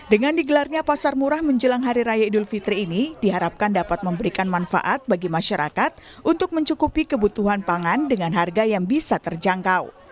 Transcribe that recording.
dengan digelarnya pasar murah menjelang hari raya idul fitri ini diharapkan dapat memberikan manfaat bagi masyarakat untuk mencukupi kebutuhan pangan dengan harga yang bisa terjangkau